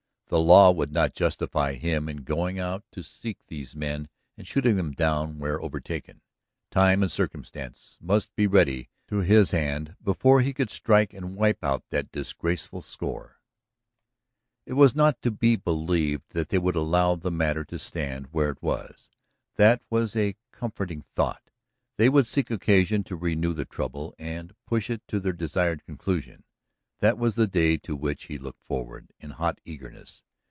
The law would not justify him in going out to seek these men and shooting them down where overtaken. Time and circumstance must be ready to his hand before he could strike and wipe out that disgraceful score. It was not to be believed that they would allow the matter to stand where it was; that was a comforting thought. They would seek occasion to renew the trouble, and push it to their desired conclusion. That was the day to which he looked forward in hot eagerness.